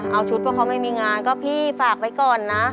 เอาชุดเพราะเขาไม่มีงานก็พี่ฝากไว้ก่อนนะ